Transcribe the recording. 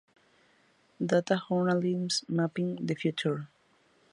Data journalism: Mapping the future.